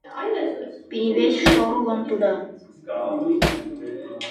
Перевесь штору вон туда!